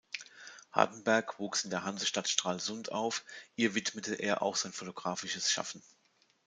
Hardenberg wuchs in der Hansestadt Stralsund auf; ihr widmete er auch sein fotografisches Schaffen.